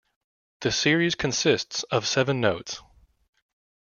The series consists of seven notes.